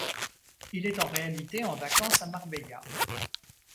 Il est en réalité en vacances à Marbella.